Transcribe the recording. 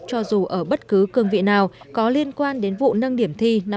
cho dù ở bất cứ cương vị nào có liên quan đến vụ nâng điểm thi năm hai nghìn một mươi